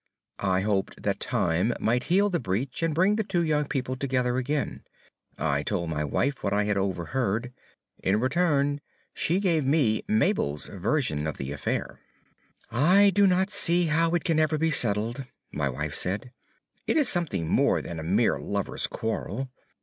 I hoped that time might heal the breach and bring the two young people together again. I told my wife what I had overheard. In return she gave me Mabel's version of the affair. "I do not see how it can ever be settled," my wife said. "It is something more than a mere lovers' quarrel.